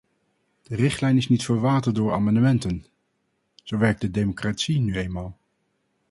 De richtlijn is niet verwaterd door amendementen: zo werkt de democratie nu eenmaal.